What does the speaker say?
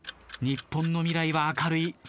日本の未来は明るい。